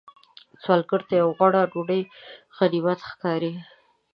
سوالګر ته یو غوړه ډوډۍ غنیمت ښکاري